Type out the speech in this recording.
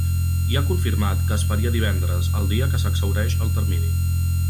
I ha confirmat que es faria divendres, el dia que s’exhaureix el termini.